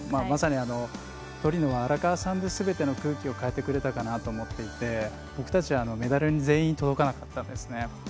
まさに、トリノは荒川さんですべての空気を変えてくれたかなと思っていて僕たちはメダルに全員届かなかったんですね。